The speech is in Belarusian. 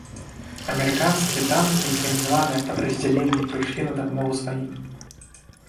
Амерыканскія танкі і механізаваныя падраздзяленні прыйшлі на дапамогу сваім.